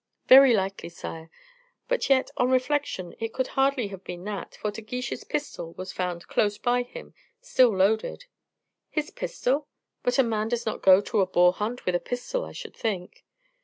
"Very likely, sire. But yet, on reflection, it could hardly have been that, for De Guiche's pistol was found close by him still loaded." "His pistol? But a man does not go to a boar hunt with a pistol, I should think."